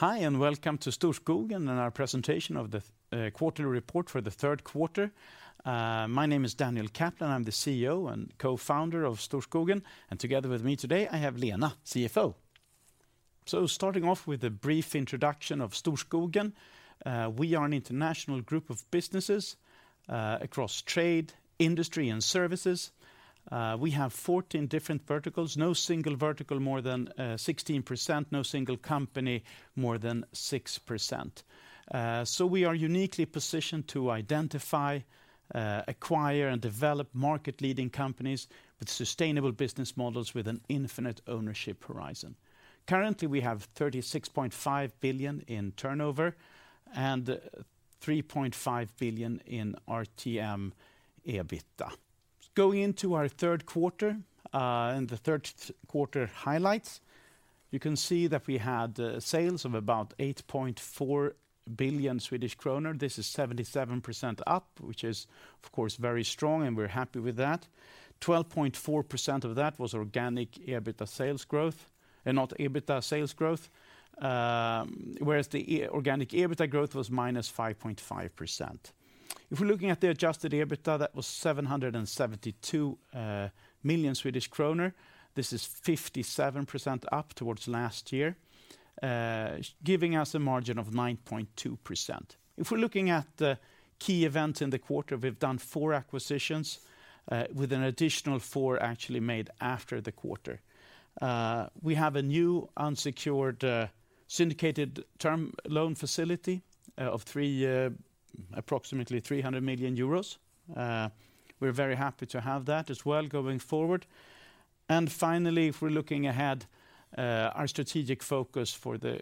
Hi, and welcome to Storskogen and our presentation of the quarterly report for the third quarter. My name is Daniel Kaplan. I'm the CEO and co-founder of Storskogen, and together with me today, I have Lena, CFO. Starting off with a brief introduction of Storskogen, we are an international group of businesses across trade, industry, and services. We have 14 different verticals, no single vertical more than 16%, no single company more than 6%. We are uniquely positioned to identify, acquire, and develop market-leading companies with sustainable business models with an infinite ownership horizon. Currently, we have 36.5 billion in turnover and 3.5 billion in RTM EBITDA. Going into our third quarter and the third quarter highlights, you can see that we had sales of about 8.4 billion Swedish kronor. This is 77% up, which is of course very strong, and we're happy with that. 12.4% of that was organic EBITDA sales growth, and not EBITDA sales growth, whereas the organic EBITDA growth was -5.5%. If we're looking at the adjusted EBITDA, that was 772 million Swedish kronor. This is 57% up towards last year, giving us a margin of 9.2%. If we're looking at the key events in the quarter, we've done four acquisitions, with an additional four actually made after the quarter. We have a new unsecured syndicated term loan facility of approximately 300 million euros. We're very happy to have that as well going forward. Finally, if we're looking ahead, our strategic focus for the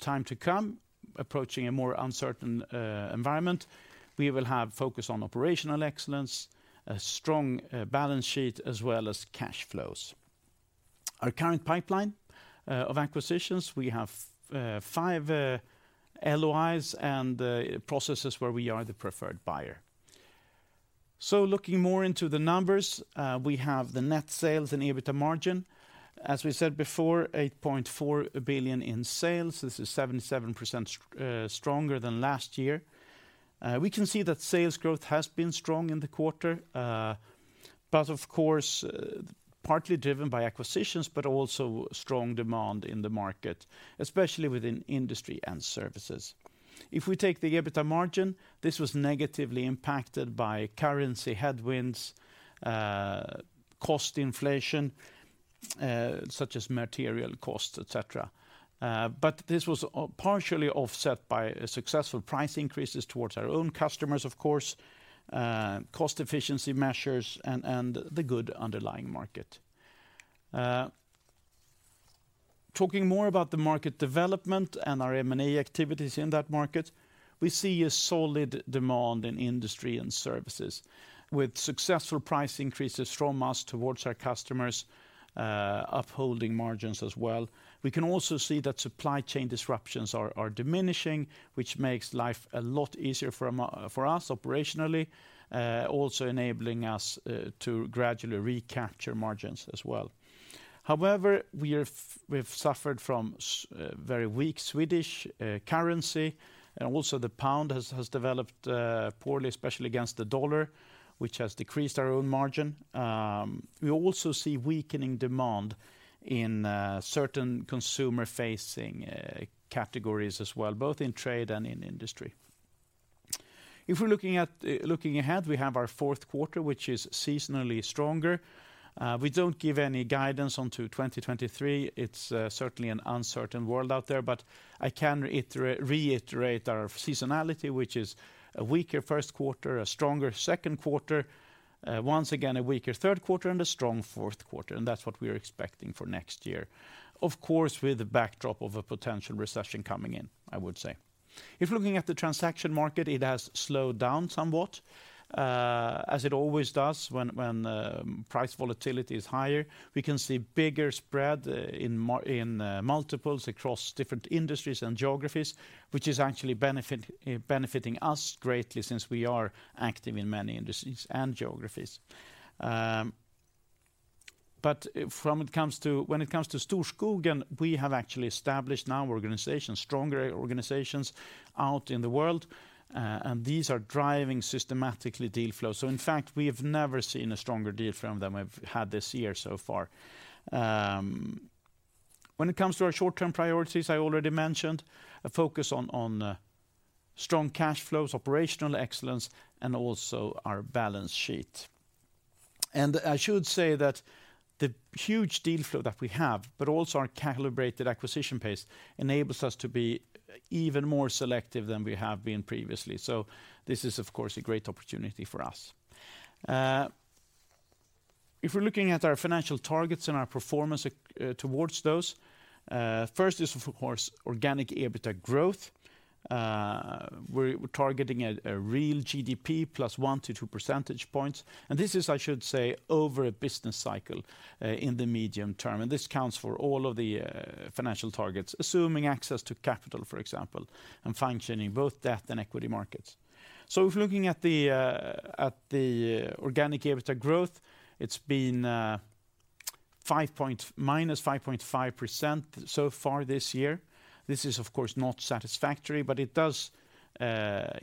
time to come, approaching a more uncertain environment, we will have focus on operational excellence, a strong balance sheet, as well as cash flows. Our current pipeline of acquisitions, we have five LOIs and processes where we are the preferred buyer. Looking more into the numbers, we have the net sales and EBITDA margin. As we said before, 8.4 billion in sales. This is 77% stronger than last year. We can see that sales growth has been strong in the quarter, but of course, partly driven by acquisitions, but also strong demand in the market, especially within industry and services. If we take the EBITDA margin, this was negatively impacted by currency headwinds, cost inflation, such as material cost, et cetera. This was partially offset by successful price increases towards our own customers, of course, cost efficiency measures and the good underlying market. Talking more about the market development and our M&A activities in that market, we see a solid demand in industry and services with successful price increases from us towards our customers, upholding margins as well. We can also see that supply chain disruptions are diminishing, which makes life a lot easier for us operationally, also enabling us to gradually recapture margins as well. However, we have suffered from very weak Swedish currency, and also the pound has developed poorly, especially against the dollar, which has decreased our own margin. We also see weakening demand in certain consumer-facing categories as well, both in trade and in industry. If we're looking ahead, we have our fourth quarter, which is seasonally stronger. We don't give any guidance onto 2023. It's certainly an uncertain world out there, but I can reiterate our seasonality, which is a weaker first quarter, a stronger second quarter, once again, a weaker third quarter, and a strong fourth quarter. That's what we are expecting for next year. Of course, with the backdrop of a potential recession coming in, I would say. If looking at the transaction market, it has slowed down somewhat, as it always does when price volatility is higher. We can see bigger spread in multiples across different industries and geographies, which is actually benefiting us greatly since we are active in many industries and geographies. When it comes to Storskogen, we have actually established new organizations, stronger organizations out in the world, and these are driving systematically deal flow. In fact, we have never seen a stronger deal flow than we've had this year so far. When it comes to our short-term priorities, I already mentioned a focus on strong cash flows, operational excellence, and also our balance sheet. I should say that the huge deal flow that we have, but also our calibrated acquisition pace, enables us to be even more selective than we have been previously. This is, of course, a great opportunity for us. If we're looking at our financial targets and our performance towards those, first is, of course, organic EBITDA growth. We're targeting a real GDP plus 1-2 percentage points. This is, I should say, over a business cycle in the medium term. This counts for all of the financial targets, assuming access to capital, for example, and functioning both debt and equity markets. If looking at the organic EBITDA growth, it's been -5.5% so far this year. This is of course not satisfactory, but it does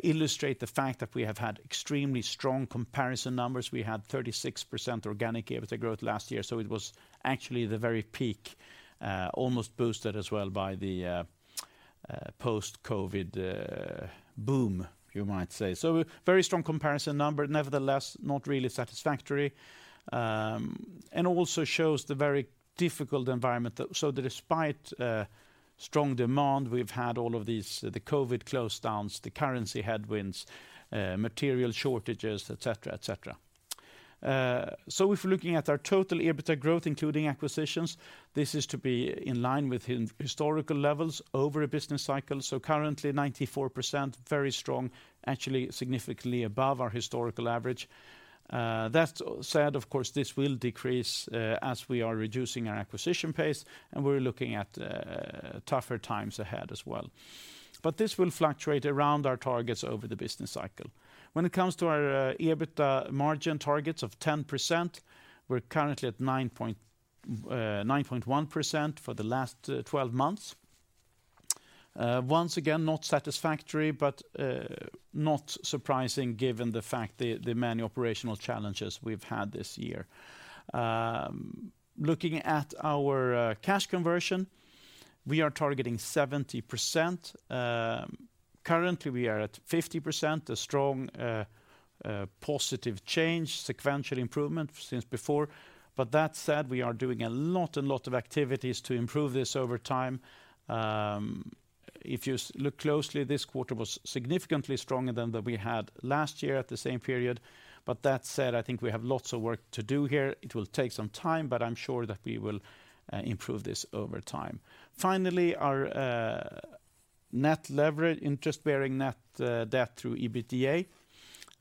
illustrate the fact that we have had extremely strong comparison numbers. We had 36% organic EBITDA growth last year, so it was actually the very peak, almost boosted as well by the post-COVID boom, you might say. Very strong comparison number, nevertheless, not really satisfactory, and also shows the very difficult environment that. Despite strong demand, we've had all of these, the COVID lockdowns, the currency headwinds, material shortages, et cetera, et cetera. If we're looking at our total EBITDA growth, including acquisitions, this is to be in line with historical levels over a business cycle. Currently 94%, very strong, actually significantly above our historical average. That said, of course, this will decrease, as we are reducing our acquisition pace, and we're looking at tougher times ahead as well. This will fluctuate around our targets over the business cycle. When it comes to our EBITDA margin targets of 10%, we're currently at 9.1% for the last twelve months. Once again, not satisfactory, but not surprising given the fact the many operational challenges we've had this year. Looking at our cash conversion, we are targeting 70%. Currently, we are at 50%, a strong positive change, sequential improvement since before. That said, we are doing a lot of activities to improve this over time. If you look closely, this quarter was significantly stronger than that we had last year at the same period. That said, I think we have lots of work to do here. It will take some time, but I'm sure that we will improve this over time. Finally, our interest-bearing net debt to EBITDA.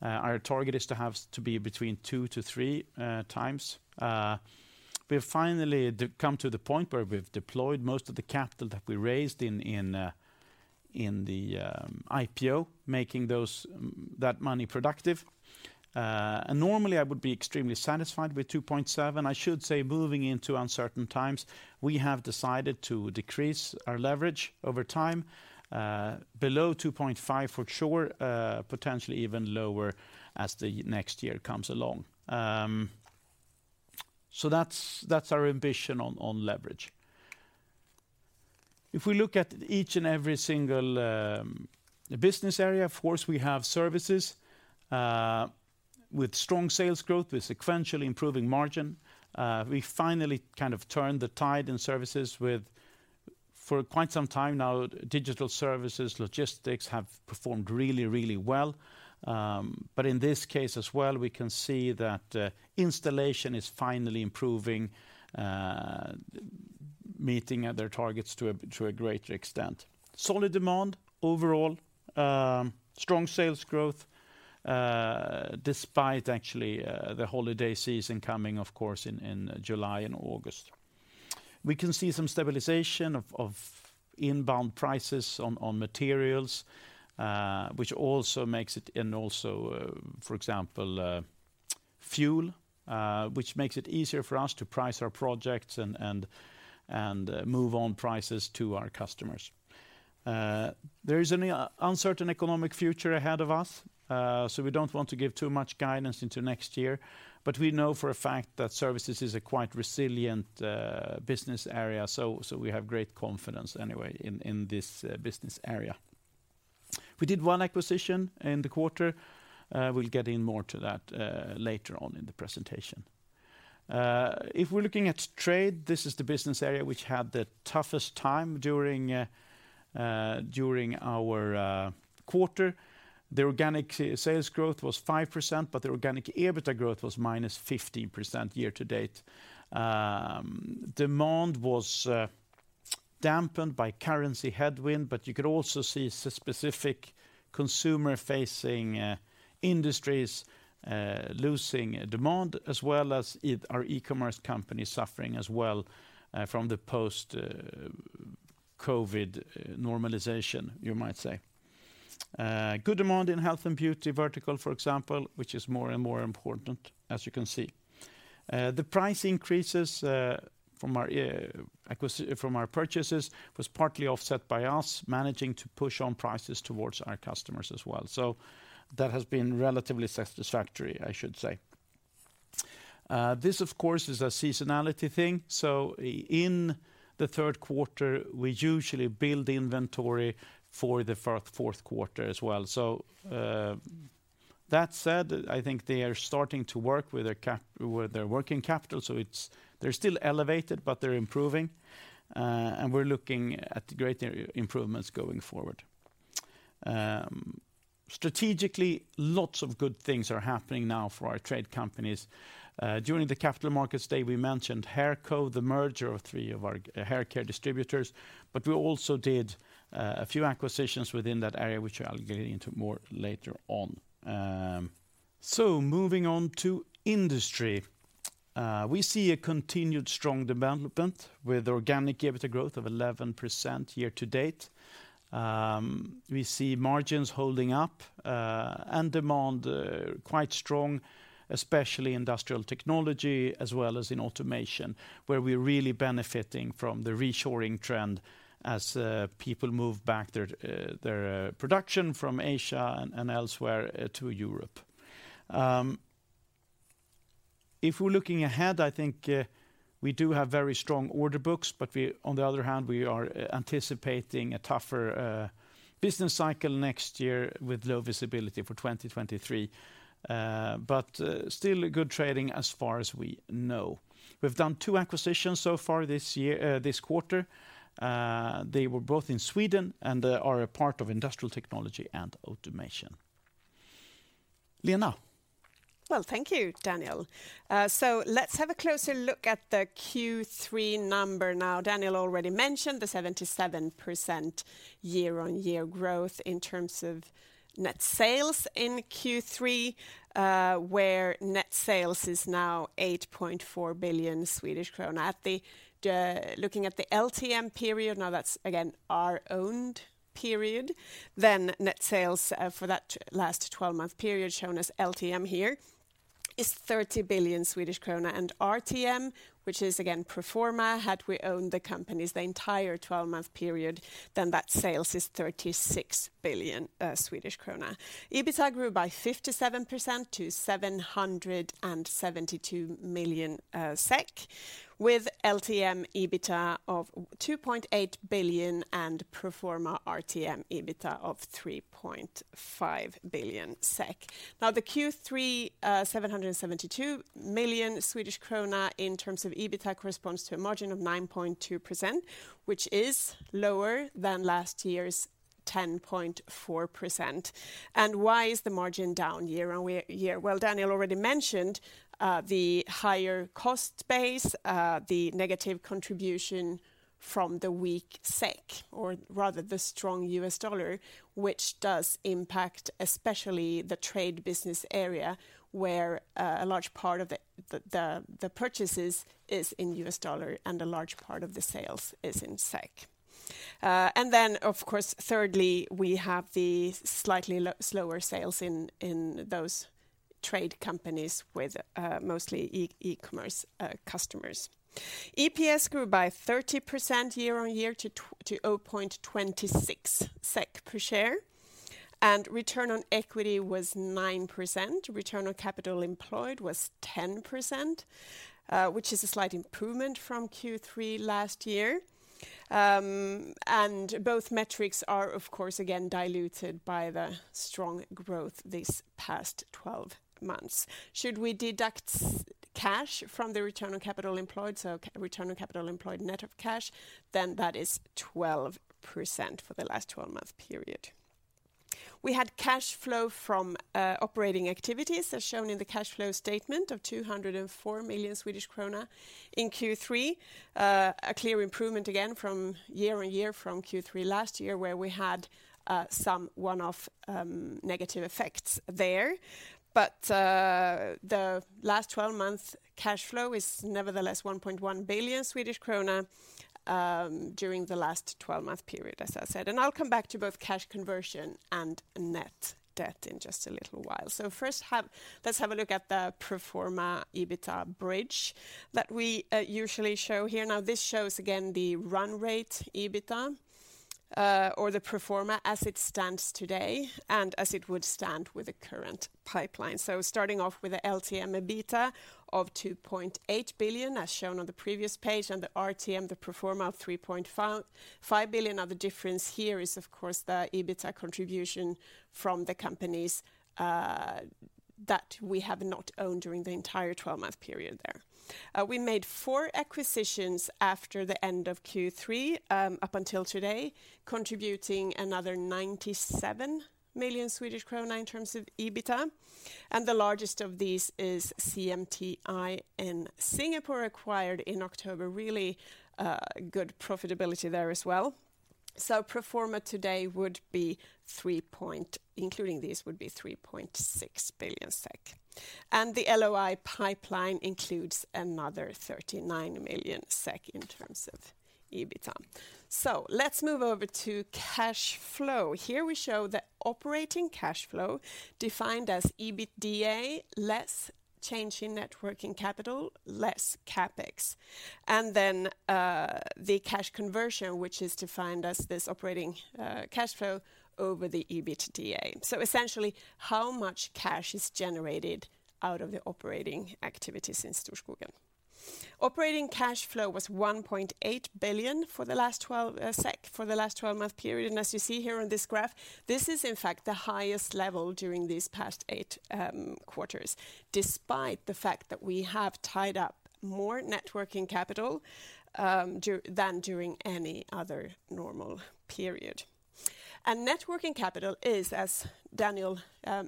Our target is to be between 2-3x. We've finally come to the point where we've deployed most of the capital that we raised in the IPO, making that money productive. Normally, I would be extremely satisfied with 2.7x. I should say, moving into uncertain times, we have decided to decrease our leverage over time below 2.5x for sure, potentially even lower as the next year comes along. That's our ambition on leverage. If we look at each and every single business area, of course, we have services with strong sales growth, with sequentially improving margin. We finally kind of turned the tide in services with, for quite some time now, digital services, logistics have performed really, really well. In this case as well, we can see that installation is finally improving, meeting their targets to a greater extent. Solid demand overall, strong sales growth despite actually the holiday season coming, of course, in July and August. We can see some stabilization of inbound prices on materials, which also makes it easier for us to price our projects and, for example, fuel, which makes it easier for us to price our projects and pass on prices to our customers. There is an uncertain economic future ahead of us, so we don't want to give too much guidance into next year. We know for a fact that Services is a quite resilient business area, so we have great confidence anyway in this business area. We did one acquisition in the quarter. We'll get in more to that later on in the presentation. If we're looking at trade, this is the business area which had the toughest time during our quarter. The organic sales growth was 5%, but the organic EBITA growth was -15% year to date. Demand was dampened by currency headwind, but you could also see specific consumer-facing industries losing demand, as well as our e-commerce company suffering as well from the post-COVID normalization, you might say. Good demand in health and beauty vertical, for example, which is more and more important, as you can see. The price increases from our purchases was partly offset by us managing to push on prices towards our customers as well. That has been relatively satisfactory, I should say. This, of course, is a seasonality thing. In the third quarter, we usually build inventory for the fourth quarter as well. That said, I think they are starting to work with their working capital, so it's, they're still elevated, but they're improving. We're looking at great improvements going forward. Strategically, lots of good things are happening now for our trade companies. During the Capital Markets Day, we mentioned Hairco, the merger of three of our hair care distributors, but we also did a few acquisitions within that area, which I'll get into more later on. Moving on to industry. We see a continued strong development with organic EBITA growth of 11% year to date. We see margins holding up, and demand quite strong, especially industrial technology as well as in automation, where we're really benefiting from the reshoring trend as people move back their production from Asia and elsewhere to Europe. If we're looking ahead, I think we do have very strong order books, but we on the other hand, we are anticipating a tougher business cycle next year with low visibility for 2023. Still a good trading as far as we know. We've done two acquisitions so far this year, this quarter. They were both in Sweden and are a part of industrial technology and automation. Lena? Well, thank you, Daniel. Let's have a closer look at the Q3 number now. Daniel already mentioned the 77% year-on-year growth in terms of net sales in Q3, where net sales is now 8.4 billion Swedish krona. Looking at the LTM period, now that's again our owned period, then net sales for that last twelve-month period shown as LTM here is 30 billion Swedish krona. RTM, which is again pro forma, had we owned the companies the entire twelve-month period, then that sales is 36 billion Swedish krona. EBITA grew by 57% to 772 million SEK, with LTM EBITDA of 2.8 billion and pro forma RTM EBITA of 3.5 billion SEK. Now, the Q3 772 million Swedish krona in terms of EBITDA corresponds to a margin of 9.2%, which is lower than last year's 10.4%. Why is the margin down year-on-year? Well, Daniel already mentioned the higher cost base, the negative contribution from the weak SEK, or rather the strong U.S. dollar, which does impact especially the trade business area, where a large part of the purchases is in U.S. dollar and a large part of the sales is in SEK. Then of course, thirdly, we have the slightly slower sales in those trade companies with mostly e-commerce customers. EPS grew by 30% year-on-year to 0.26 SEK per share, and return on equity was 9%. Return on capital employed was 10%, which is a slight improvement from Q3 last year. Both metrics are, of course, again diluted by the strong growth these past twelve months. Should we deduct cash from the return on capital employed, return on capital employed net of cash, then that is 12% for the last twelve-month period. We had cash flow from operating activities, as shown in the cash flow statement, of 204 million Swedish krona in Q3. A clear improvement again from year-over-year from Q3 last year, where we had some one-off negative effects there. The last twelve-month cash flow is nevertheless 1.1 billion Swedish krona during the last twelve-month period, as I said, and I'll come back to both cash conversion and net debt in just a little while. First let's have a look at the pro forma EBITA bridge that we usually show here. Now, this shows again the run rate EBITA or the pro forma as it stands today and as it would stand with the current pipeline. Starting off with the LTM EBITDA of 2.8 billion, as shown on the previous page, and the RTM, the pro forma of 3.5 billion. Now the difference here is, of course, the EBITDA contribution from the companies that we have not owned during the entire twelve-month period there. We made four acquisitions after the end of Q3, up until today, contributing another 97 million Swedish krona in terms of EBITA, and the largest of these is CMTi in Singapore, acquired in October. Really good profitability there as well. Pro forma today, including these, would be 3.6 billion SEK. The LOI pipeline includes another 39 million SEK in terms of EBITA. Let's move over to cash flow. Here we show the operating cash flow defined as EBITDA, less change in net working capital, less CapEx. Then the cash conversion, which is defined as this operating cash flow over the EBITDA. Essentially, how much cash is generated out of the operating activities in Storskogen. Operating cash flow was 1.8 billion for the last 12-month period. As you see here on this graph, this is in fact the highest level during these past eight quarters, despite the fact that we have tied up more net working capital than during any other normal period. Net working capital is, as Daniel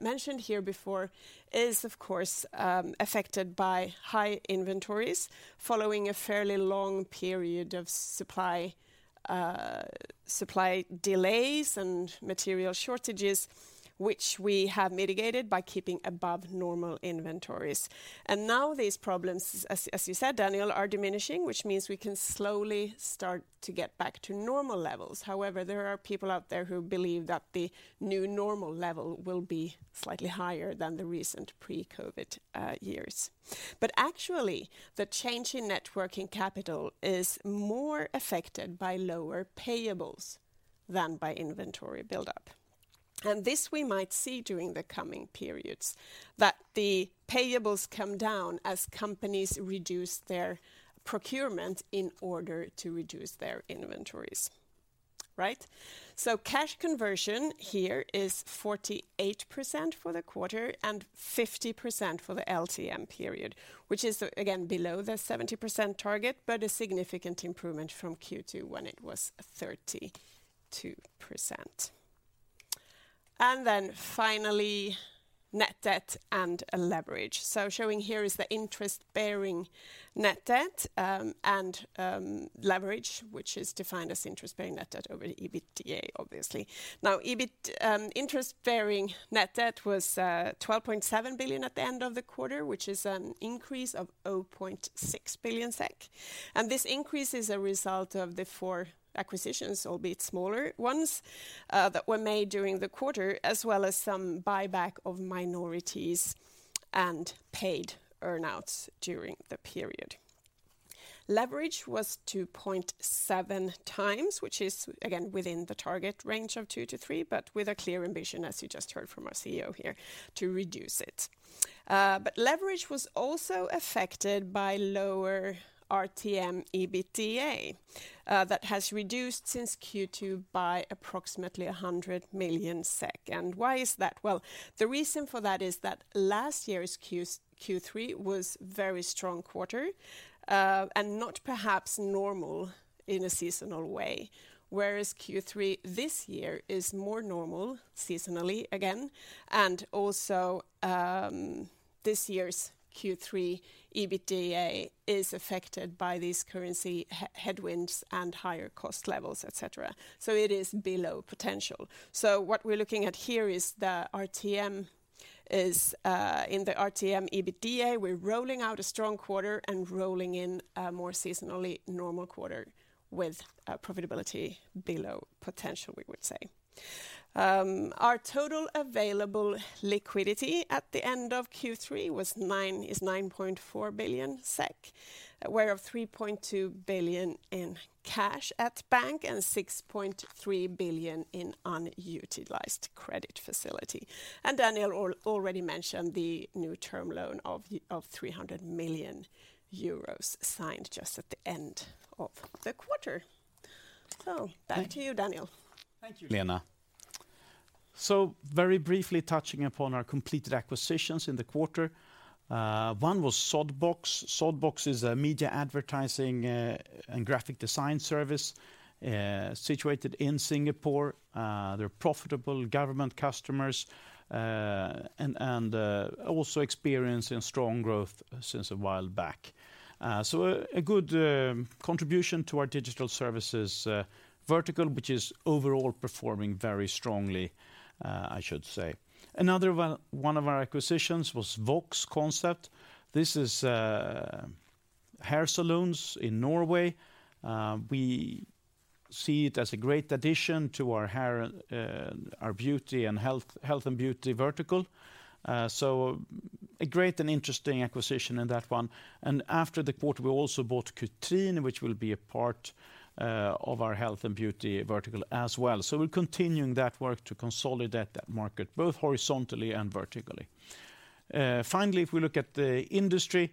mentioned here before, of course, affected by high inventories following a fairly long period of supply delays and material shortages, which we have mitigated by keeping above normal inventories. Now these problems, as you said, Daniel, are diminishing, which means we can slowly start to get back to normal levels. However, there are people out there who believe that the new normal level will be slightly higher than the recent pre-COVID years. Actually, the change in net working capital is more affected by lower payables than by inventory buildup. This we might see during the coming periods, that the payables come down as companies reduce their procurement in order to reduce their inventories. Right? Cash conversion here is 48% for the quarter and 50% for the LTM period, which is, again, below the 70% target, but a significant improvement from Q2 when it was 32%. Then finally, net debt and leverage. Showing here is the interest-bearing net debt and leverage, which is defined as interest-bearing net debt over the EBITDA, obviously. Now, interest-bearing net debt was 12.7 billion at the end of the quarter, which is an increase of 0.6 billion SEK. This increase is a result of the four acquisitions, albeit smaller ones, that were made during the quarter, as well as some buyback of minorities and paid earn-outs during the period. Leverage was 2.7x, which is again within the target range of 2-3x, but with a clear ambition, as you just heard from our CEO here, to reduce it. Leverage was also affected by lower RTM EBITDA that has reduced since Q2 by approximately 100 million SEK. Why is that? Well, the reason for that is that last year's Q3 was very strong quarter, and not perhaps normal in a seasonal way, whereas Q3 this year is more normal seasonally again, and also, this year's Q3 EBITDA is affected by these currency headwinds and higher cost levels, et cetera. It is below potential. What we're looking at here is the RTM EBITDA. We're rolling out a strong quarter and rolling in a more seasonally normal quarter with profitability below potential, we would say. Our total available liquidity at the end of Q3 is 9.4 billion SEK, which is 3.2 billion in cash at bank and 6.3 billion in unutilized credit facility. Daniel already mentioned the new term loan of 300 million euros signed just at the end of the quarter. Back to you, Daniel. Thank you, Lena. Very briefly touching upon our completed acquisitions in the quarter. One was Xodbox. Xodbox is a media advertising and graphic design service situated in Singapore. They're profitable, government customers and also experiencing strong growth since a while back. A good contribution to our Digital Services vertical, which is overall performing very strongly, I should say. Another one of our acquisitions was Vox Hair Concept AS. This is hair salons in Norway. We see it as a great addition to our hair, our beauty and health and beauty vertical. A great and interesting acquisition in that one. After the quarter, we also bought Cutrin Norge, which will be a part of our health and beauty vertical as well. We're continuing that work to consolidate that market, both horizontally and vertically. Finally, if we look at the industry,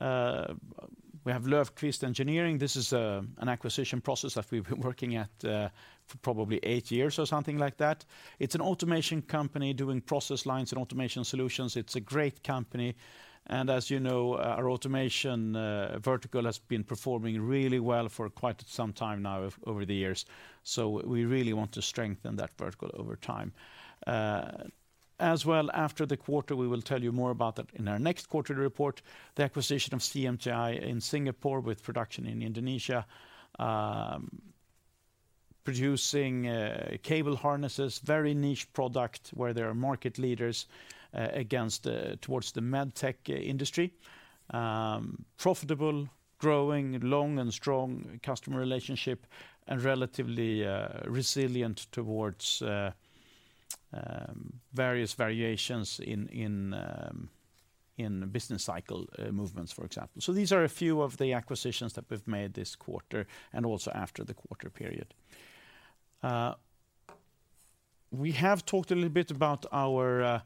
we have Löfqvist Engineering. This is an acquisition process that we've been working at for probably eight years or something like that. It's an automation company doing process lines and automation solutions. It's a great company. As you know, our automation vertical has been performing really well for quite some time now over the years. We really want to strengthen that vertical over time. As well after the quarter, we will tell you more about that in our next quarterly report, the acquisition of CMTi in Singapore with production in Indonesia, producing cable harnesses, very niche product where they are market leaders against towards the medtech industry. Profitable, growing, long and strong customer relationship and relatively resilient towards various variations in business cycle movements, for example. These are a few of the acquisitions that we've made this quarter and also after the quarter period. We have talked a little bit about our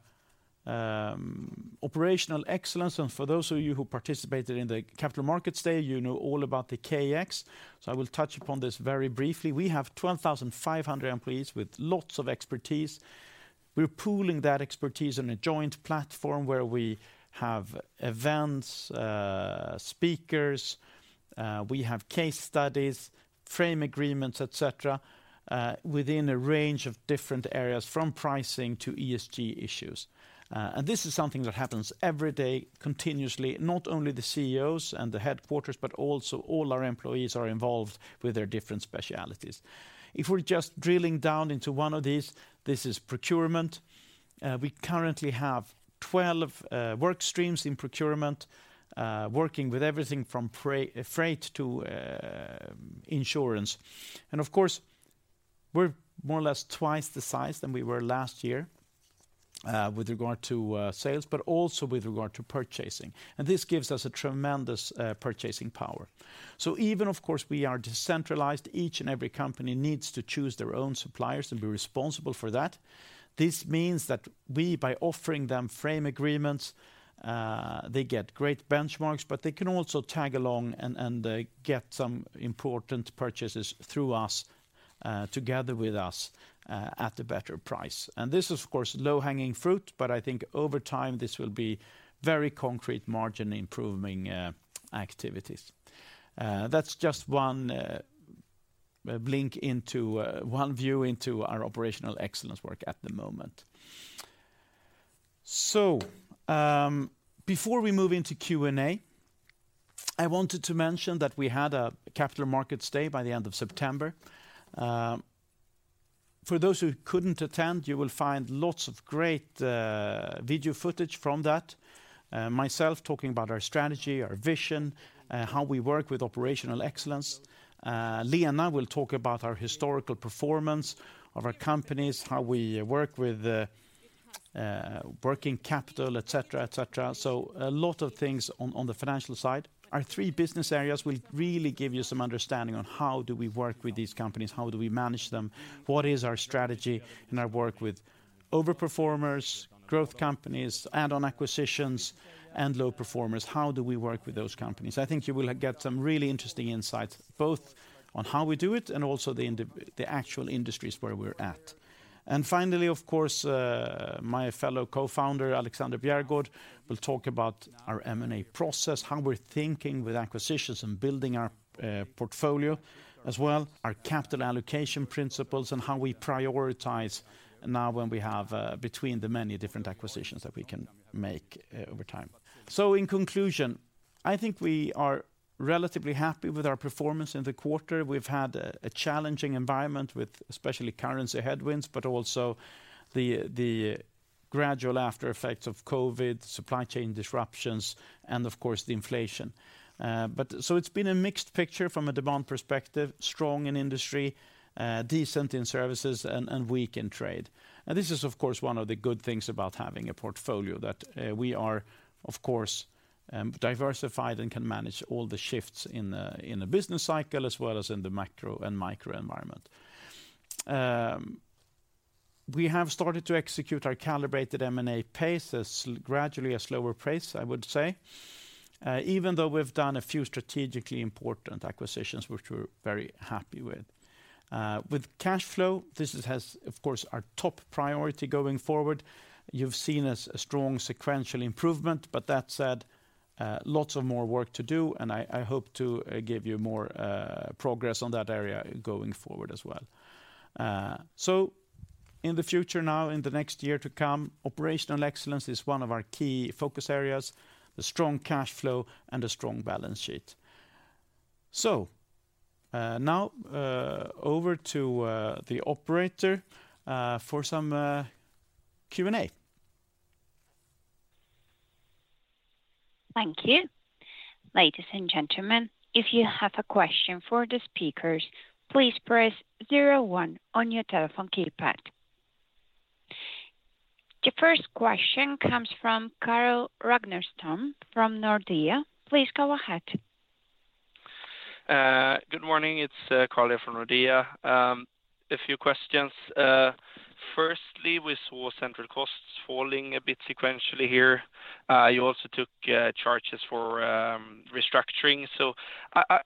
operational excellence, and for those of you who participated in the Capital Markets Day, you know all about the KEX. I will touch upon this very briefly. We have 12,500 employees with lots of expertise. We're pooling that expertise in a joint platform where we have events, speakers, we have case studies, frame agreements, et cetera, within a range of different areas from pricing to ESG issues. This is something that happens every day continuously, not only the CEOs and the headquarters, but also all our employees are involved with their different specialties. If we're just drilling down into one of these, this is procurement. We currently have 12 work streams in procurement, working with everything from pre-freight to insurance. Of course, we're more or less twice the size than we were last year, with regard to sales, but also with regard to purchasing. This gives us a tremendous purchasing power. Even of course, we are decentralized, each and every company needs to choose their own suppliers and be responsible for that. This means that we, by offering them frame agreements, they get great benchmarks, but they can also tag along and they get some important purchases through us, together with us, at a better price. This, of course, low-hanging fruit, but I think over time this will be very concrete margin-improving activities. That's just one view into our operational excellence work at the moment. Before we move into Q&A, I wanted to mention that we had a Capital Markets Day by the end of September. For those who couldn't attend, you will find lots of great video footage from that, myself talking about our strategy, our vision, how we work with operational excellence. Lena will talk about our historical performance of our companies, how we work with working capital, et cetera, et cetera. A lot of things on the financial side. Our three business areas will really give you some understanding on how do we work with these companies, how do we manage them, what is our strategy in our work with overperformers, growth companies, add-on acquisitions, and low performers, how do we work with those companies? I think you will get some really interesting insights, both on how we do it and also the actual industries where we're at. Finally, of course, my fellow co-founder, Alexander Bjärgård, will talk about our M&A process, how we're thinking with acquisitions and building our portfolio as well, our capital allocation principles, and how we prioritize now when we have between the many different acquisitions that we can make over time. In conclusion, I think we are relatively happy with our performance in the quarter. We've had a challenging environment with especially currency headwinds, but also the gradual after effects of COVID, supply chain disruptions, and of course, the inflation. It's been a mixed picture from a demand perspective, strong in industry, decent in services, and weak in trade. This is, of course, one of the good things about having a portfolio that we are, of course, diversified and can manage all the shifts in the business cycle, as well as in the macro and microenvironment. We have started to execute our calibrated M&A pace at a gradually slower pace, I would say, even though we've done a few strategically important acquisitions, which we're very happy with. Cash flow is, of course, our top priority going forward. You've seen a strong sequential improvement, but that said, lots more work to do, and I hope to give you more progress on that area going forward as well. In the future now, in the next year to come, operational excellence is one of our key focus areas. The strong cash flow and a strong balance sheet. Now, over to the operator for some Q&A. Thank you. Ladies and gentlemen, if you have a question for the speakers, please press zero one on your telephone keypad. The first question comes from Carl Ragnerstam from Nordea. Please go ahead. Good morning. It's Carl from Nordea. A few questions. Firstly, we saw central costs falling a bit sequentially here. You also took charges for restructuring.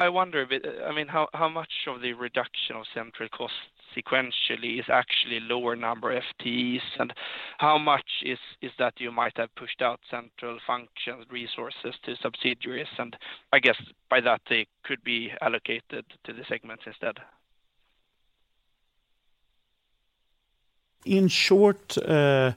I wonder a bit, I mean, how much of the reduction of central costs sequentially is actually lower number FTEs, and how much is that you might have pushed out central functions, resources to subsidiaries, and I guess by that they could be allocated to the segments instead? In short, the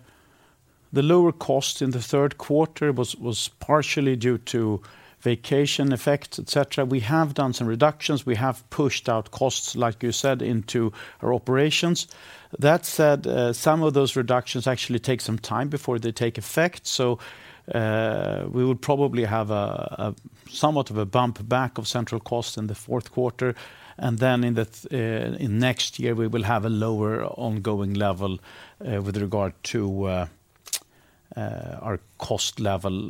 lower cost in the third quarter was partially due to vacation effect, et cetera. We have done some reductions. We have pushed out costs, like you said, into our operations. That said, some of those reductions actually take some time before they take effect. We will probably have a somewhat of a bump back of central cost in the fourth quarter. In next year, we will have a lower ongoing level with regard to our cost level.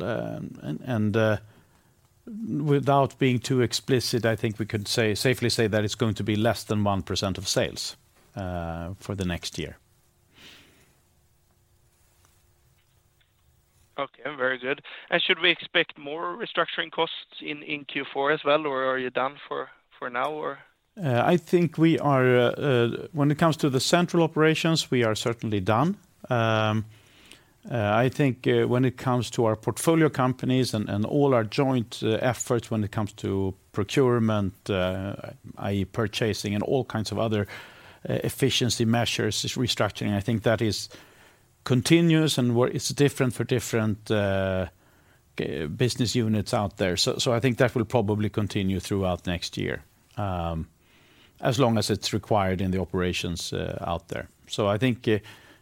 Without being too explicit, I think we could say safely that it's going to be less than 1% of sales for the next year. Okay. Very good. Should we expect more restructuring costs in Q4 as well, or are you done for now, or? I think we are, when it comes to the central operations, we are certainly done. I think, when it comes to our portfolio companies and all our joint efforts when it comes to procurement, i.e. purchasing and all kinds of other efficiency measures, restructuring, I think that is continuous and where it's different for different business units out there. I think that will probably continue throughout next year, as long as it's required in the operations out there.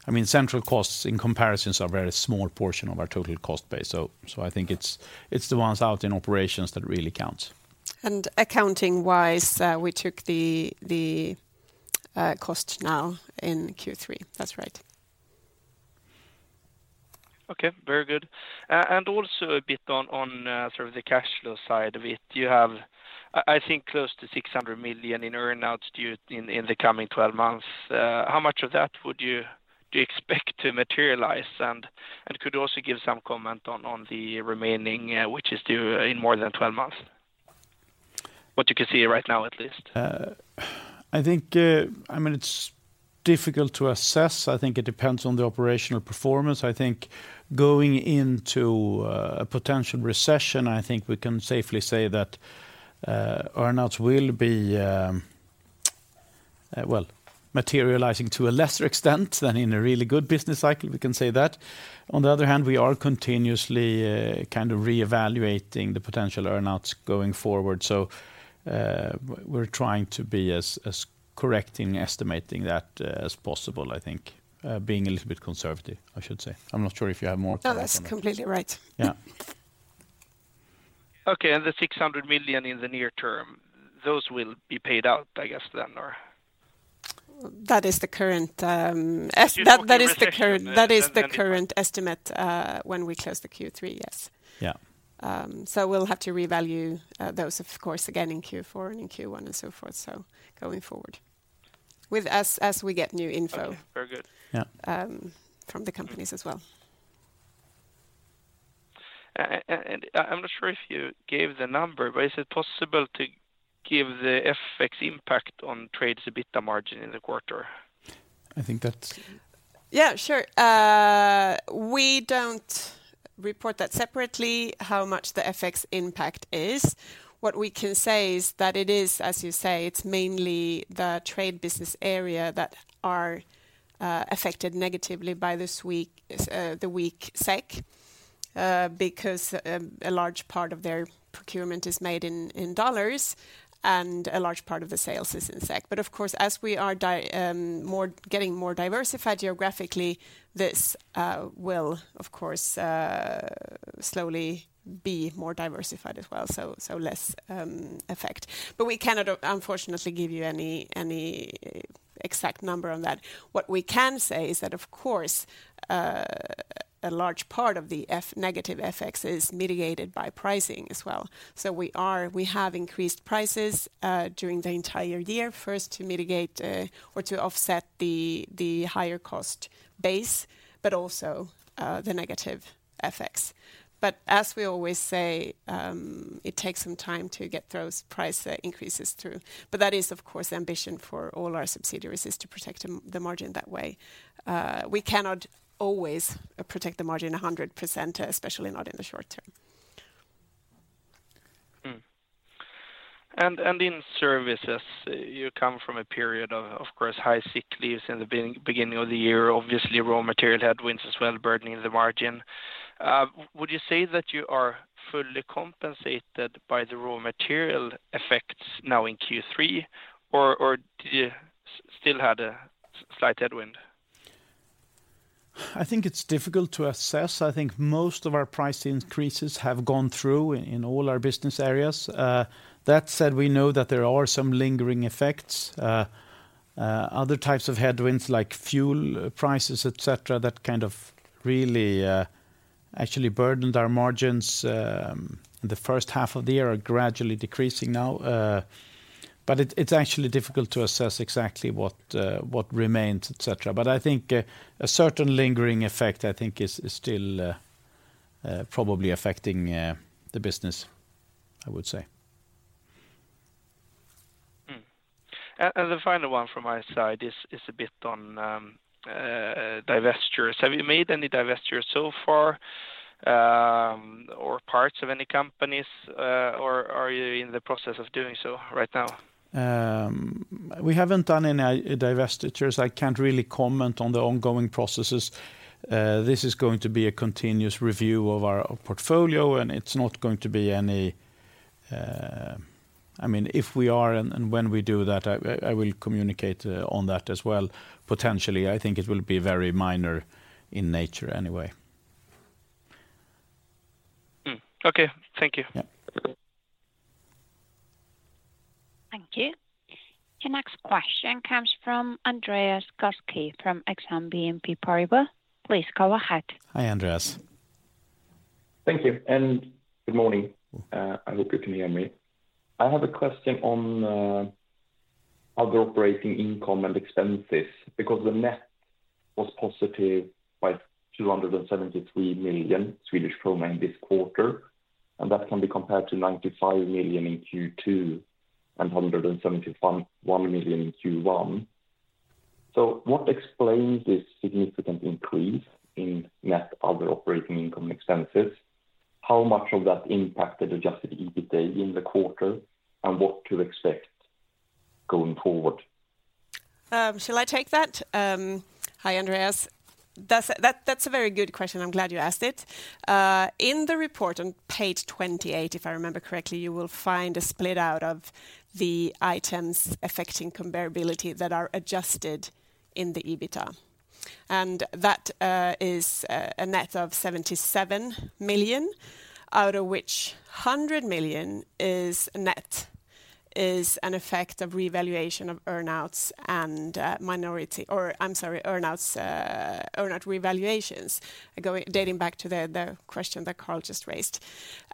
I mean, central costs in comparisons are a very small portion of our total cost base. I think it's the ones out in operations that really counts. Accounting-wise, we took the cost now in Q3. That's right. Okay. Very good. Also a bit on sort of the cash flow side of it. You have, I think, close to 600 million in earn-outs due in the coming 12 months. How much of that would you expect to materialize? Could you also give some comment on the remaining which is due in more than 12 months? What you can see right now at least. I think, I mean it's difficult to assess. I think it depends on the operational performance. I think going into a potential recession, I think we can safely say that earn-outs will be well materializing to a lesser extent than in a really good business cycle, we can say that. On the other hand, we are continuously kind of reevaluating the potential earn-outs going forward. We're trying to be as correct in estimating that as possible, I think. Being a little bit conservative, I should say. I'm not sure if you have more to that comment. No, that's completely right. Yeah. Okay. The 600 million in the near term, those will be paid out, I guess, then, or? That is the current. Assuming recession, then. That is the current estimate when we close Q3, yes. Yeah. We'll have to revalue those, of course, again in Q4 and in Q1 and so forth, so going forward. With as we get new info. Okay. Very good. Yeah. From the companies as well. I'm not sure if you gave the number, but is it possible to give the FX impact on Trade's EBITDA margin in the quarter? I think that's. Yeah, sure. We don't report that separately, how much the FX impact is. What we can say is that it is, as you say, it's mainly the Trade business area that are affected negatively by the weak SEK, because a large part of their procurement is made in dollars and a large part of the sales is in SEK. Of course, as we are getting more diversified geographically, this will of course slowly be more diversified as well, so less effect. We cannot, unfortunately, give you any exact number on that. What we can say is that of course, a large part of the negative FX is mitigated by pricing as well. We have increased prices during the entire year. First, to mitigate or to offset the higher cost base, but also the negative FX. As we always say, it takes some time to get those price increases through. That is, of course, the ambition for all our subsidiaries, to protect the margin that way. We cannot always protect the margin 100%, especially not in the short term. In services, you come from a period, of course, high sick leaves in the beginning of the year. Obviously, raw material headwinds as well burdening the margin. Would you say that you are fully compensated by the raw material effects now in Q3 or do you still had a slight headwind? I think it's difficult to assess. I think most of our price increases have gone through in all our business areas. That said, we know that there are some lingering effects. Other types of headwinds like fuel prices, et cetera, that kind of really actually burdened our margins in the first half of the year are gradually decreasing now. It's actually difficult to assess exactly what remains, et cetera. I think a certain lingering effect is still probably affecting the business, I would say. The final one from my side is a bit on divestitures. Have you made any divestitures so far, or parts of any companies, or are you in the process of doing so right now? We haven't done any divestitures. I can't really comment on the ongoing processes. This is going to be a continuous review of our portfolio, and it's not going to be any. I mean, if we are and when we do that, I will communicate on that as well. Potentially, I think it will be very minor in nature anyway. Okay. Thank you. Yeah. Thank you. Your next question comes from Andreas Koski from Exane BNP Paribas. Please go ahead. Hi, Andreas. Thank you, and good morning. I hope you can hear me. I have a question on other operating income and expenses, because the net was positive by 273 million Swedish kronor this quarter. That can be compared to 95 million in Q2 and 171 million in Q1. What explains this significant increase in net other operating income expenses? How much of that impacted adjusted EBITA in the quarter and what to expect going forward? Shall I take that? Hi, Andreas. That's a very good question. I'm glad you asked it. In the report on page 28, if I remember correctly, you will find a split out of the items affecting comparability that are adjusted in the EBITA. That is a net of 77 million, out of which 100 million is net, an effect of revaluation of earn outs, earn out revaluations dating back to the question that Carl just raised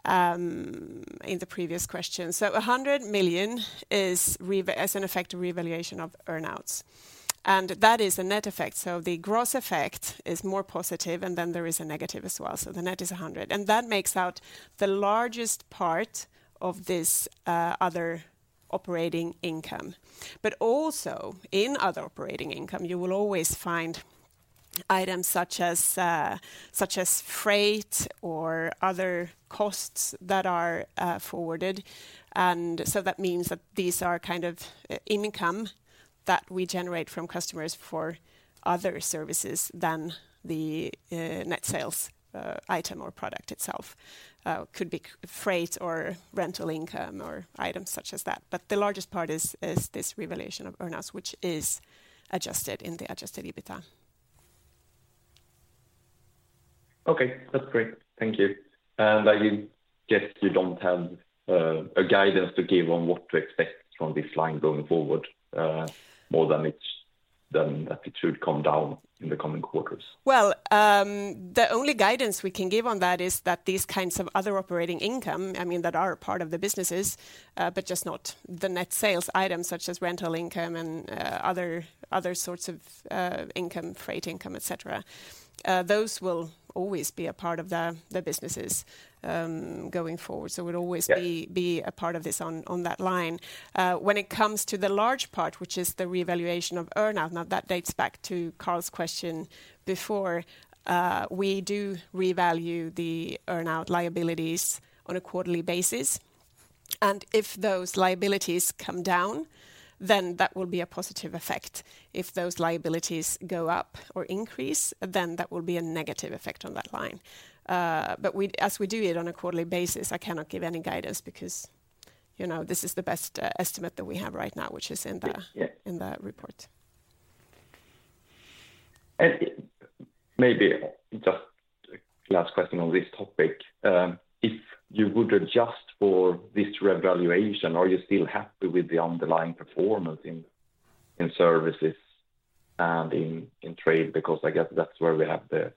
in the previous question. 100 million is an effect of revaluation of earn outs, and that is a net effect. The gross effect is more positive and then there is a negative as well. The net is 100 million, and that makes out the largest part of this other operating income. Also in other operating income, you will always find items such as freight or other costs that are forwarded. That means that these are kind of income that we generate from customers for other services than the net sales item or product itself. Could be sea freight or rental income or items such as that. The largest part is this revaluation of earn-outs, which is adjusted in the adjusted EBITA. Okay, that's great. Thank you. I guess you don't have a guidance to give on what to expect from this line going forward, more than that it should come down in the coming quarters? Well, the only guidance we can give on that is that these kinds of other operating income, I mean, that are a part of the businesses, but just not the net sales items such as rental income and other sorts of income, freight income, et cetera, those will always be a part of the businesses going forward. It would always be a part of this on that line. When it comes to the large part, which is the revaluation of earn-out, now that dates back to Carl's question before. We do revalue the earn-out liabilities on a quarterly basis, and if those liabilities come down, then that will be a positive effect. If those liabilities go up or increase, then that will be a negative effect on that line. As we do it on a quarterly basis, I cannot give any guidance because, you know, this is the best estimate that we have right now, which is in the in the report. Maybe just last question on this topic. If you would adjust for this revaluation, are you still happy with the underlying performance in services and in trade? Because I guess that's where we have the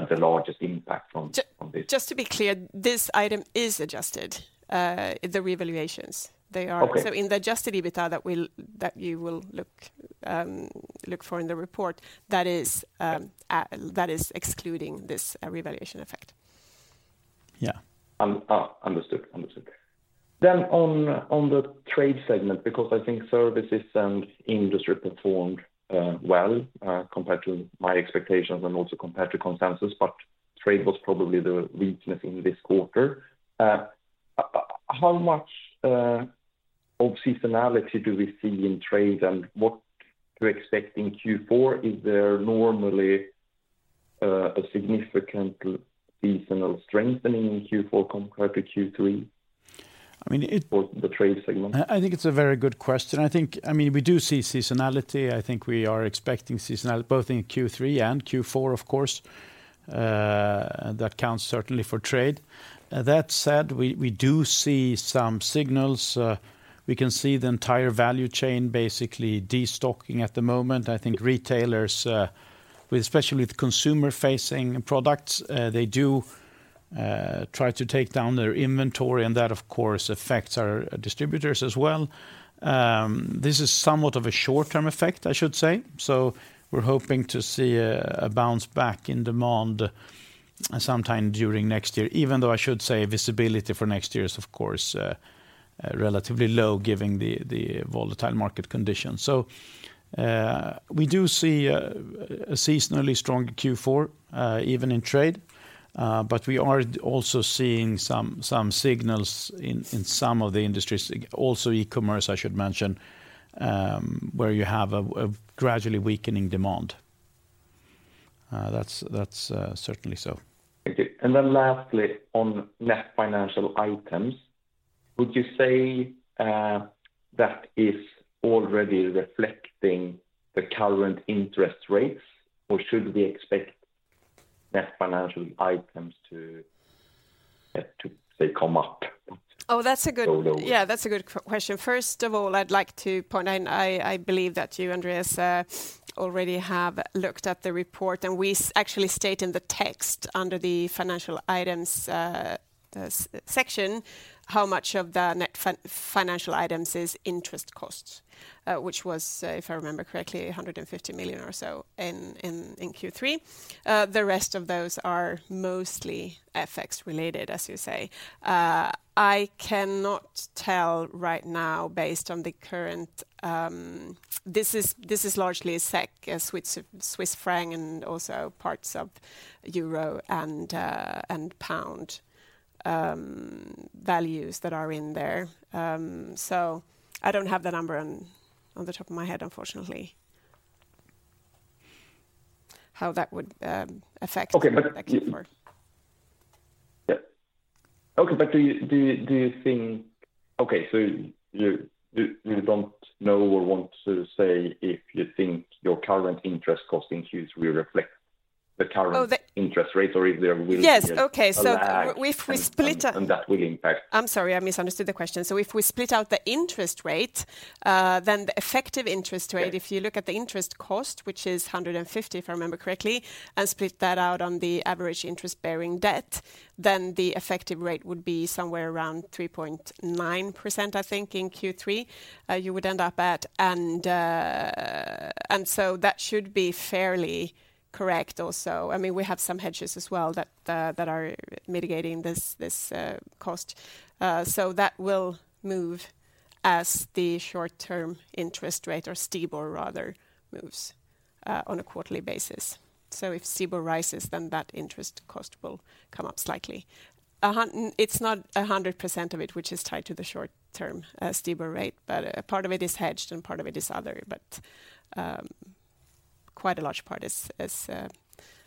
largest impact from this. Just to be clear, this item is adjusted, the revaluations. In the adjusted EBITA that you will look for in the report, that is excluding this revaluation effect. Yeah. Understood. On the trade segment, because I think services and industry performed well compared to my expectations and also compared to consensus, but trade was probably the weakness in this quarter. How much of seasonality do we see in trade and what to expect in Q4? Is there normally a significant seasonal strengthening in Q4 compared to Q3? I mean. For the trade segment. I think it's a very good question. I mean, we do see seasonality. I think we are expecting seasonality both in Q3 and Q4, of course. That counts certainly for trade. That said, we do see some signals. We can see the entire value chain basically destocking at the moment. I think retailers, especially with consumer-facing products, they do try to take down their inventory, and that, of course, affects our distributors as well. This is somewhat of a short-term effect, I should say. We're hoping to see a bounce back in demand sometime during next year, even though I should say visibility for next year is, of course, relatively low given the volatile market conditions. We do see a seasonally strong Q4 even in trade, but we are also seeing some signals in some of the industries, also e-commerce, I should mention, where you have a gradually weakening demand. That's certainly so. Okay. Lastly, on net financial items, would you say that is already reflecting the current interest rates, or should we expect net financial items to say come up? Oh, that's a good. Yeah, that's a good question. First of all, I'd like to point out. I believe that you, Andreas, already have looked at the report, and we actually state in the text under the financial items section, how much of the net financial items is interest costs, which was, if I remember correctly, 150 million or so in Q3. The rest of those are mostly FX related, as you say. I cannot tell right now based on the current. This is largely a CHF, a Swiss franc, and also parts of euro and pound values that are in there. So I don't have the number on the top of my head, unfortunately, how that would affect going back and forth. Okay, you don't know or want to say if you think your current interest cost in Qs will reflect the current interest rates or if there will be a lag? Yes. Okay. If we split up. That will impact. I'm sorry, I misunderstood the question. If we split out the interest rate, then the effective interest rate, if you look at the interest cost, which is 150, if I remember correctly, and split that out on the average interest-bearing debt, then the effective rate would be somewhere around 3.9%, I think, in Q3, you would end up at. That should be fairly correct also. I mean, we have some hedges as well that are mitigating this cost. That will move as the short-term interest rate or STIBOR rather moves on a quarterly basis. If STIBOR rises, then that interest cost will come up slightly. It's not 100% of it which is tied to the short term STIBOR rate, but a part of it is hedged and part of it is other. Quite a large part is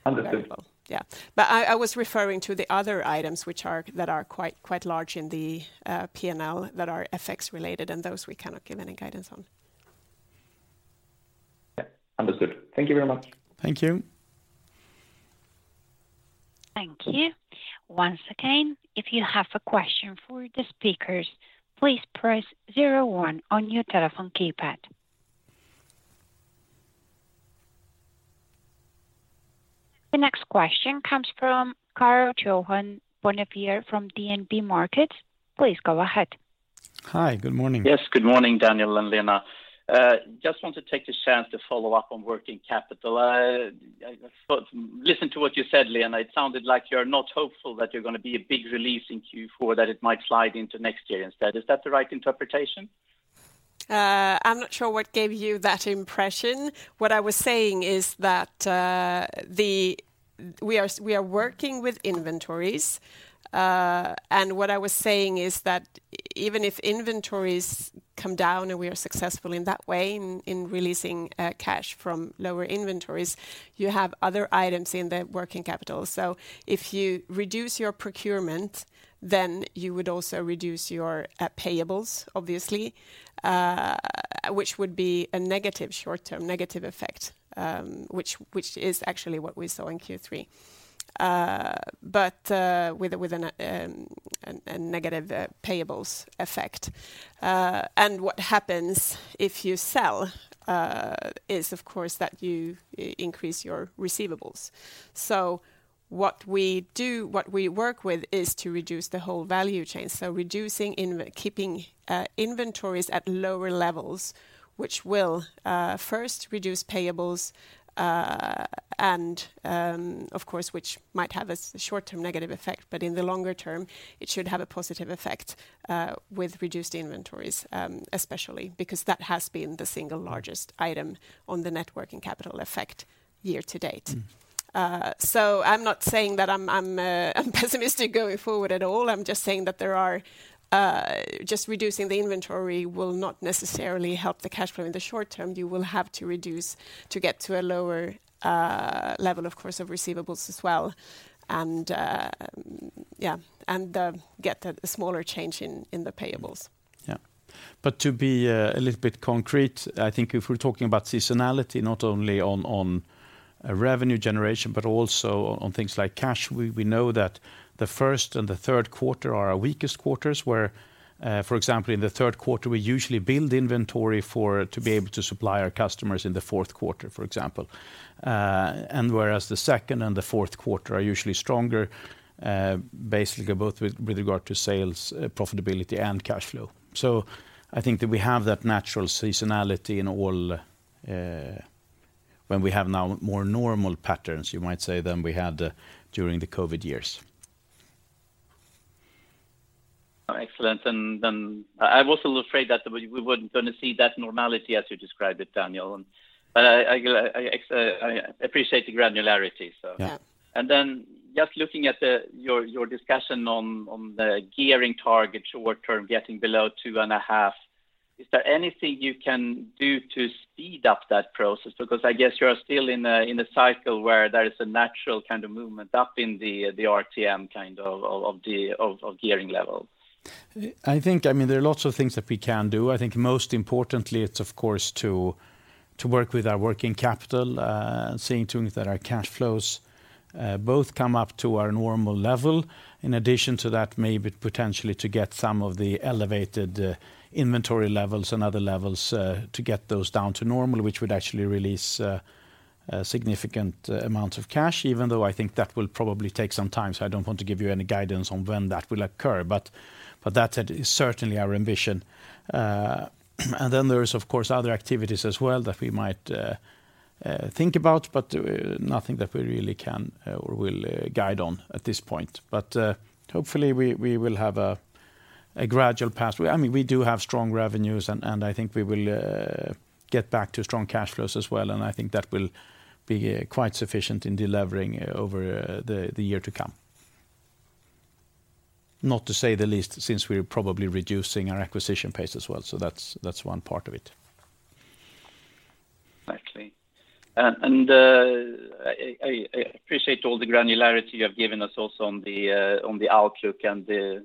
Understood. Yeah. I was referring to the other items that are quite large in the P&L that are FX related and those we cannot give any guidance on. Yeah. Understood. Thank you very much. Thank you. Thank you. Once again, if you have a question for the speakers, please press zero one on your telephone keypad. The next question comes from Karl-Johan Bonnevier from DNB Markets. Please go ahead. Hi. Good morning. Yes, good morning, Daniel and Lena. Just want to take this chance to follow up on working capital. Listen to what you said, Lena. It sounded like you're not hopeful that you're gonna be a big release in Q4, that it might slide into next year instead. Is that the right interpretation? I'm not sure what gave you that impression. What I was saying is that we are working with inventories, and what I was saying is that even if inventories come down and we are successful in that way, in releasing cash from lower inventories, you have other items in the working capital. If you reduce your procurement, then you would also reduce your payables, obviously, which would be a negative short term, negative effect, which is actually what we saw in Q3 with a negative payables effect. What happens if you sell is of course that you increase your receivables. What we do, what we work with is to reduce the whole value chain. Keeping inventories at lower levels, which will first reduce payables, and of course, which might have a short-term negative effect, but in the longer term, it should have a positive effect with reduced inventories, especially because that has been the single largest item on the net working capital effect year to date. I'm not saying that I'm pessimistic going forward at all. I'm just saying that there are. Just reducing the inventory will not necessarily help the cash flow in the short term. You will have to reduce to get to a lower level, of course, of receivables as well, and get a smaller change in the payables. Yeah. To be a little bit concrete, I think if we're talking about seasonality, not only on a revenue generation, but also on things like cash, we know that the first and the third quarter are our weakest quarters, where, for example, in the third quarter, we usually build inventory to be able to supply our customers in the fourth quarter, for example. Whereas the second and the fourth quarter are usually stronger, basically both with regard to sales, profitability and cash flow. I think that we have that natural seasonality in all when we have now more normal patterns, you might say, than we had during the COVID years. Excellent. I was a little afraid that we weren't gonna see that normality as you described it, Daniel. I appreciate the granularity, so. Yeah. Just looking at your discussion on the gearing target short term, getting below 2.5, is there anything you can do to speed up that process? Because I guess you are still in a cycle where there is a natural kind of movement up in the RTM kind of gearing level. I think, I mean, there are lots of things that we can do. I think most importantly, it's of course to work with our working capital, seeing to it that our cash flows both come up to our normal level. In addition to that, maybe potentially to get some of the elevated inventory levels and other levels to get those down to normal, which would actually release a significant amount of cash, even though I think that will probably take some time. I don't want to give you any guidance on when that will occur, but that is certainly our ambition. Then there's of course other activities as well that we might think about, but nothing that we really can or will guide on at this point. Hopefully we will have a gradual pathway. I mean, we do have strong revenues and I think we will get back to strong cash flows as well, and I think that will be quite sufficient in delevering over the year to come. Not to say the least, since we're probably reducing our acquisition pace as well, so that's one part of it. Exactly. I appreciate all the granularity you have given us also on the outlook and the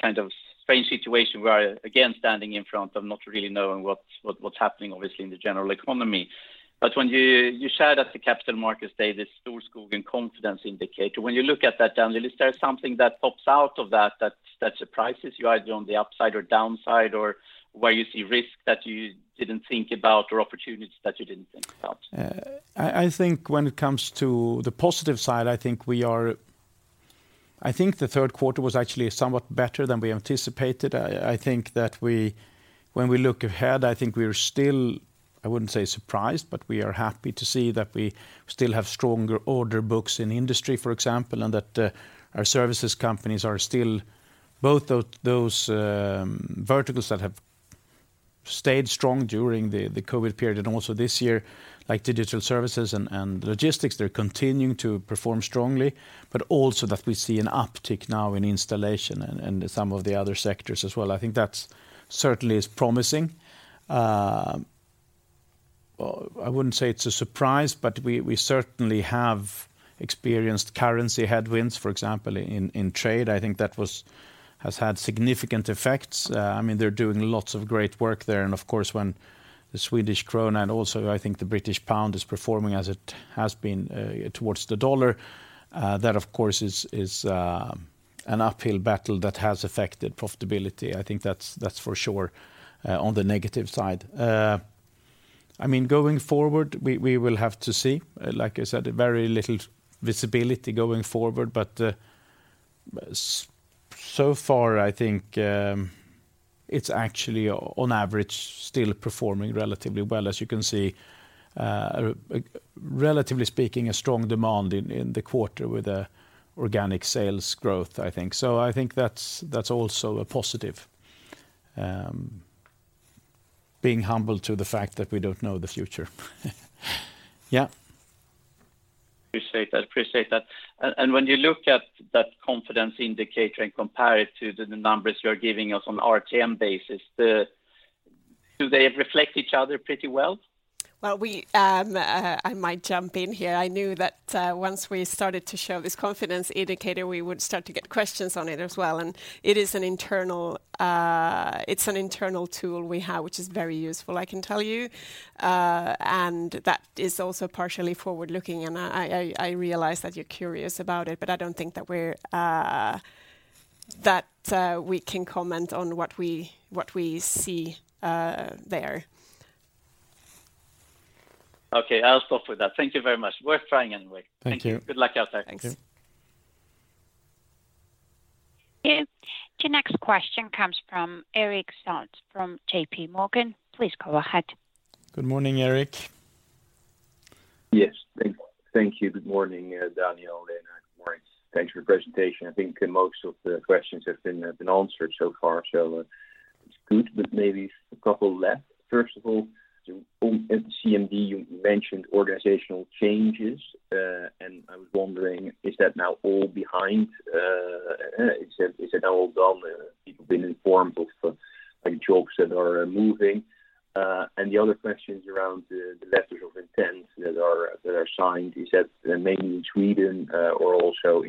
kind of strange situation we are, again, standing in front of not really knowing what's happening obviously in the general economy. When you said at the Capital Markets Day, the Storskogen's confidence indicator, when you look at that, Daniel, is there something that pops out of that that surprises you either on the upside or downside, or where you see risk that you didn't think about or opportunities that you didn't think about? I think when it comes to the positive side, I think the third quarter was actually somewhat better than we anticipated. I think that we, when we look ahead, I think we're still, I wouldn't say surprised, but we are happy to see that we still have stronger order books in industry, for example, and that our services companies are still both of those verticals that have stayed strong during the COVID period and also this year, like Digital Services and logistics, they're continuing to perform strongly. But also that we see an uptick now in installation and some of the other sectors as well. I think that's certainly is promising. Well, I wouldn't say it's a surprise, but we certainly have experienced currency headwinds, for example, in trade. Well, I might jump in here. I knew that once we started to show this confidence indicator, we would start to get questions on it as well, and it is an internal tool we have, which is very useful, I can tell you. That is also partially forward-looking, and I realize that you're curious about it, but I don't think that we can comment on what we see there. Okay, I'll stop with that. Thank you very much. Worth trying anyway. Thank you. Thank you. Good luck out there. Thank you. Yeah. The next question comes from Erik Salz from JPMorgan. Please go ahead. Good morning, Erik. Yes. Thank you. Good morning, Daniel and Lena. [inaudible] Thanks for your presentation. I think most of the questions have been answered so far, so it's good, but maybe a couple left. First of all, at the CMD, you mentioned organizational changes, and I was wondering, is that now all behind? Is it now all done? People been informed of like jobs that are moving. The other question is around the letters of intent that are signed, is that mainly in Sweden, or also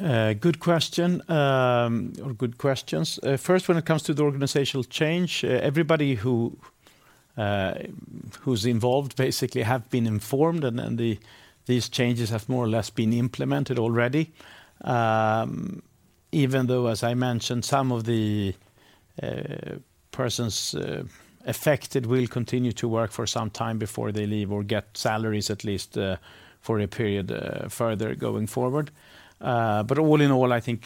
international? Good question. Or good questions. First, when it comes to the organizational change, everybody who's involved basically have been informed and then these changes have more or less been implemented already. Even though, as I mentioned, some of the persons affected will continue to work for some time before they leave or get salaries at least, for a period, further going forward. All in all, I think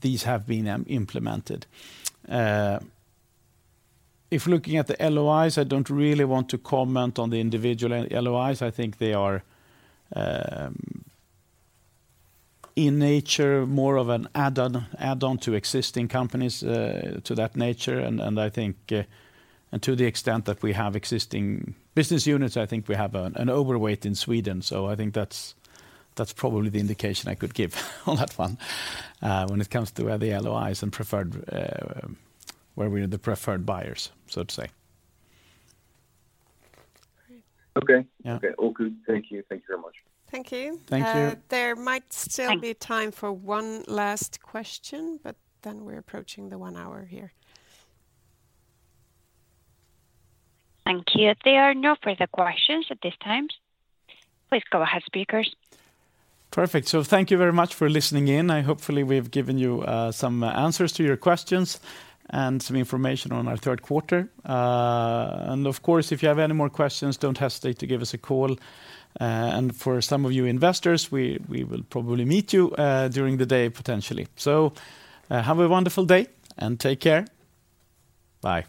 these have been implemented. If looking at the LOIs, I don't really want to comment on the individual LOIs. I think they are, in nature, more of an add-on to existing companies, to that nature. I think, and to the extent that we have existing business units, I think we have an overweight in Sweden. I think that's probably the indication I could give on that one, when it comes to the LOIs and preferred, where we're the preferred buyers, so to say. Okay. Yeah. Okay. All good. Thank you. Thank you very much. Thank you. Thank you. Thanks. There might still be time for one last question, but then we're approaching the one hour here. Thank you. There are no further questions at this time. Please go ahead, speakers. Perfect. Thank you very much for listening in. Hopefully, we've given you some answers to your questions and some information on our third quarter. Of course, if you have any more questions, don't hesitate to give us a call. For some of you investors, we will probably meet you during the day, potentially. Have a wonderful day and take care. Bye.